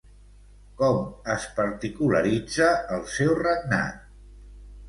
Com es particularitza el seu regnat?